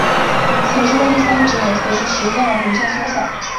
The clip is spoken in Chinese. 前肢的第三指也随者时间而逐渐缩小。